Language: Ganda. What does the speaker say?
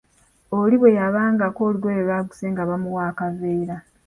Oli bwe yabangako olugoye lwaguze nga bamuwa akaveera.